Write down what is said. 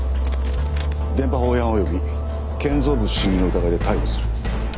電波法違反及び建造物侵入の疑いで逮捕する。